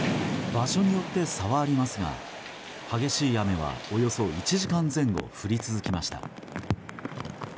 場所によって差はありますが激しい雨は、およそ１時間前後降り続けました。